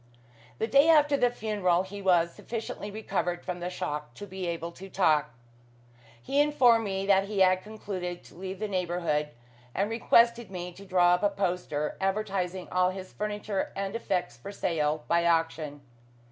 The day after the funeral he was sufficiently recovered from the shock to be able to talk. He informed me that he had concluded to leave the neighbourhood, and requested me to draw up a poster, advertising all his furniture and effects for sale by auction.